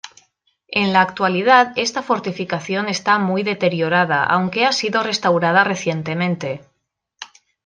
En la actualidad esta fortificación está muy deteriorada aunque ha sido restaurada recientemente.